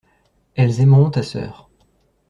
Elles aimeront ta sœur.